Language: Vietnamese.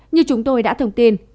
như chúng tôi đã thông tin